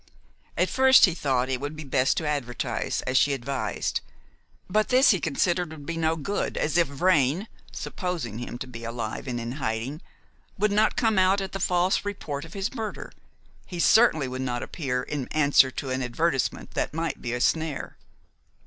At first he thought it would be best to advertise, as she advised, but this he considered would do no good, as if Vrain supposing him to be alive and in hiding would not come out at the false report of his murder, he certainly would not appear in answer to an advertisement that might be a snare.